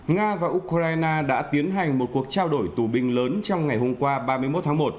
nga và ukraine đã tiến hành một cuộc trao đổi tù binh lớn trong ngày hôm qua ba mươi một tháng một